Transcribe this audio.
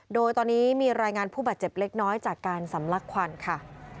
โดยตอนนี้มีรายงานผู้บาดเจ็บเล็กน้อยจากการสำลักควันค่ะ